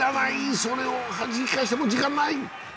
それをはじき返して、もう時間がない。